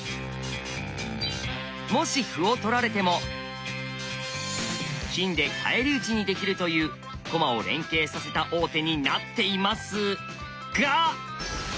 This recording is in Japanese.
もし歩を取られても金で返り討ちにできるという「駒を連係させた王手」になっていますが！